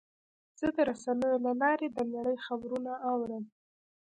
زه د رسنیو له لارې د نړۍ خبرونه اورم.